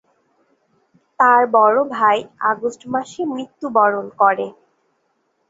তার বড় ভাই আগস্ট মাসে মৃত্যুবরণ করে।